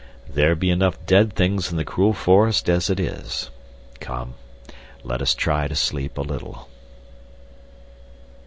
"There be enough dead things in the cruel forest as it is. Come—let us try to sleep a little."